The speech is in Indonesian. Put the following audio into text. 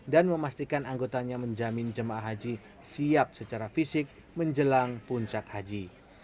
dan memastikan anggotanya menjamin jemaah haji siap secara fisik menjelang puncak haji